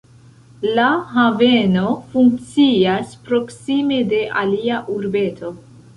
La haveno funkcias proksime de alia urbeto.